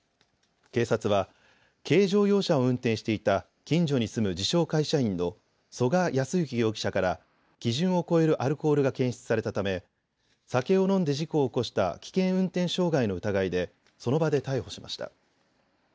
警察は軽乗用車を運転していた近所に住む自称、会社員の曽我康之容疑者から基準を超えるアルコールが検出されたため酒を飲んで事故を起こした危険運転傷害の疑いでその場で逮捕しました。